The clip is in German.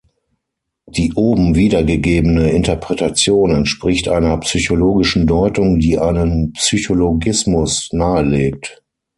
Die oben wiedergegebene Interpretation entspricht einer psychologischen Deutung, die einen Psychologismus nahelegt.